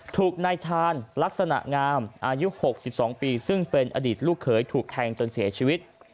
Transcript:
ถูกนายชาญลักษณะงามอายุ๖๒ปีซึ่งเป็นอดีตลูกเขยถูกแทงจนเสียชีวิต